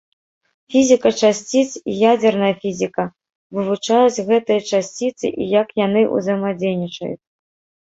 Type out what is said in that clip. Фізіка часціц і ядзерная фізіка вывучаюць гэтыя часціцы і як яны ўзаемадзейнічаюць.